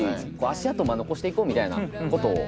足跡残していこうみたいなことを。